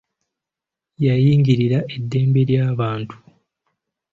Yayingirira eddembe ly'abantu.